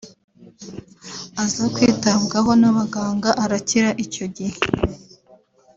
aza kwitabwaho n’abaganga arakira icyo gihe